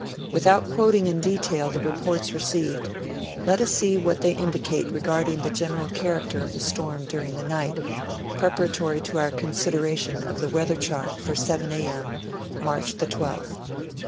Without quoting in detail the reports i eceived, let us see what they indicate regarding the general character of the storm during the night, preparatory to our consideration of the weather chart for 7 A. M. March 12th.